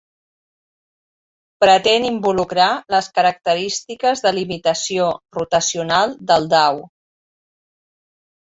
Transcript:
Pretén involucrar les característiques de limitació rotacional del dau.